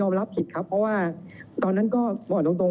เรามีการปิดบันทึกจับกลุ่มเขาหรือหลังเกิดเหตุแล้วเนี่ย